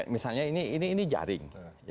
misalnya ini jaring